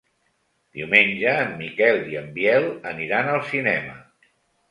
Diumenge en Miquel i en Biel aniran al cinema.